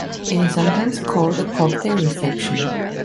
It is sometimes called a cocktail reception.